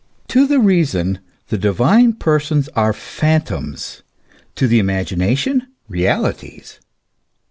To the reason, the divine persons are phantoms, to the imagination realities.